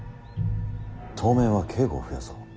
当面は警固を増やそう。